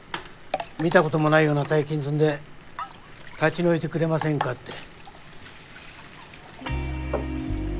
見たこともないような大金積んで立ち退いてくれませんかって。